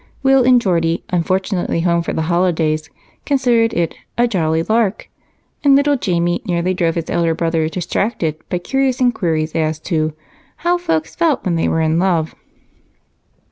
Will and Geordie, unfortunately home for the holidays, considered it "a jolly lark," and little Jamie nearly drove his elder brother distracted by curious inquiries as to "how folks felt when they were in love."